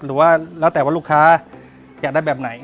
หรือว่าแล้วแต่ว่าลูกค้าอยากได้แบบไหน